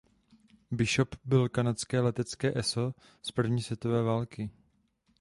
Bishop byl kanadské letecké eso z první světové války.